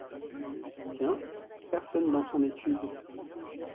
Tiens ! personne dans son étude !